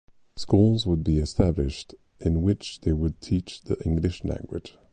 Schools would be established in which they would teach the English language.